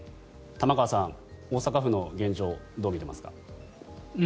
玉川さん、大阪府の現状どう見ていますか？